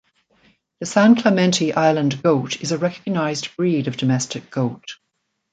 The San Clemente Island goat is a recognized breed of domestic goat.